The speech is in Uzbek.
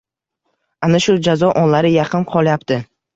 Ana shu jazo onlari yaqin qolyapti